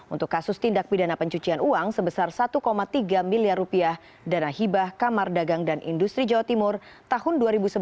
untuk kasus tindak pidana pencucian uang sebesar satu tiga miliar rupiah dana hibah kamar dagang dan industri jawa timur tahun dua ribu sebelas